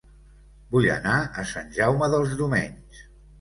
Vull anar a Sant Jaume dels Domenys